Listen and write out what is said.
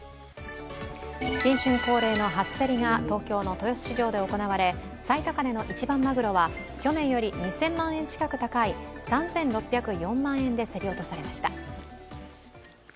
新春恒例の初競りが東京の豊洲市場で行われ最高値の一番まぐろは去年より２０００万円近く高い３６０４万円で競り落とされました。